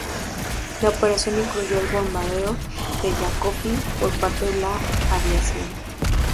La operación incluyó el bombardeo de Yacopí por parte de la aviación.